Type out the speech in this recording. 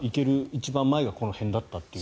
一番前がこの辺だったという。